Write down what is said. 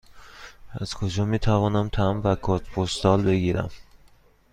از کجا می توانم تمبر و کارت پستال بگیرم؟